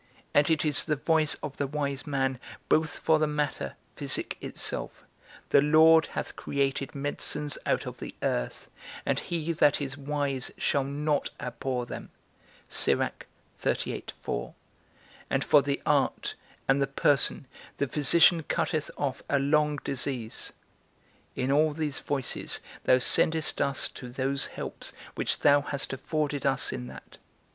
And it is the voice of the wise man, both for the matter, physic itself, The Lord hath created medicines out of the earth, and he that is wise shall not abhor them, and for the art, and the person, the physician cutteth off a long disease. In all these voices thou sendest us to those helps which thou hast afforded us in that.